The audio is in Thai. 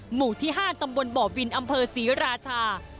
หมู่ที่๕ตำบลบ่อวินอำเภอศรีราชา